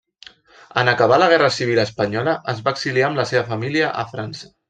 En acabar la guerra civil espanyola es va exiliar amb la seva família a França.